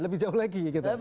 lebih jauh lagi